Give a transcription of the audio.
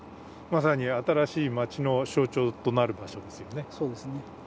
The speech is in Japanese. まさに新しい町の象徴となる場所ですよね。